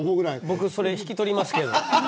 僕それ引き取りますよ。